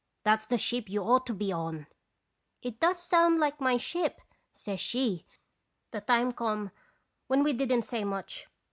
That's the ship you ought to be on !' "'It does sound like 'my ship',' says she. " The time come when we didn't say much.